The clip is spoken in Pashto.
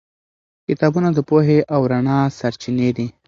کتابونه د پوهې او رڼا سرچینې دي.